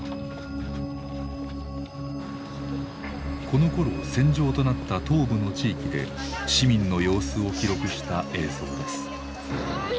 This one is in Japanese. このころ戦場となった東部の地域で市民の様子を記録した映像です。